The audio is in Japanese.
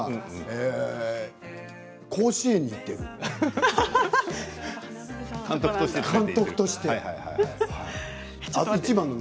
甲子園に行っている監督として。